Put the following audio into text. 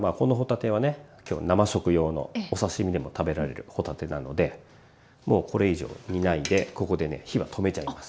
今日は生食用のお刺身でも食べられる帆立てなのでもうこれ以上煮ないでここでね火は止めちゃいます。